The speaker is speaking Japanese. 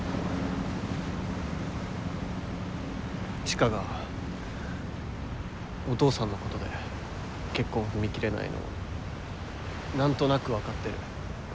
知花がお父さんのことで結婚踏み切れないのなんとなく分かってる。